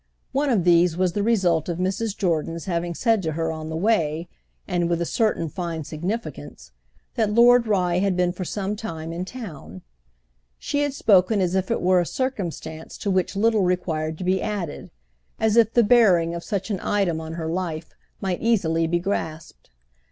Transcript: One of these was the result of Mrs. Jordan's having said to her on the way, and with a certain fine significance, that Lord Rye had been for some time in town. She had spoken as if it were a circumstance to which little required to be added—as if the bearing of such an item on her life might easily be grasped.